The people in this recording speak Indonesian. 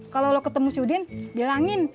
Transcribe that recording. kalo lo ketemu si udin bilangin